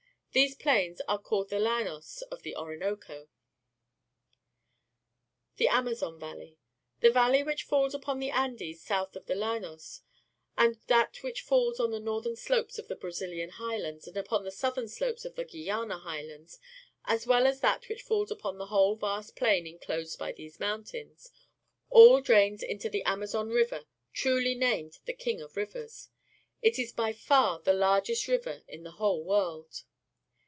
These plains are called the llanosjiithe Orinoco. The Amazon Valley. — The rain which falls upon the Andes south of the llanos, and that which falls on the northern slopes of the BraziUan Highlands and upon the southern slopes of the Guiana Highlands, as well as that which falls upon the whole vast plain inclosed by these mountains, all drains into the Amazon River, truly named the "I"ung of Rivers," as it is by far the largest river in the whole world.